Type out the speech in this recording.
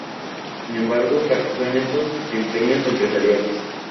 Sin embargo, fracasó en estos empeños empresariales.